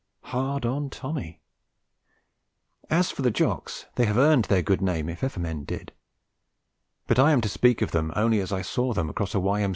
Hard on Tommy! As for the Jocks, they have earned their good name if men ever did; but I am to speak of them only as I saw them across a Y.M.